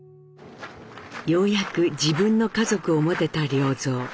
ようやく自分の家族を持てた良三。